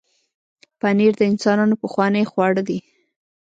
پنېر د انسانانو پخوانی خواړه دی.